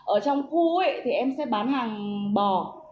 ở trong khu thì em sẽ bán hàng bò